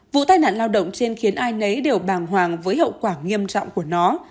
vụ tai nạn lao động trên khiến ai nấy đều bàng hoàng với hậu quả nghiêm trọng của nó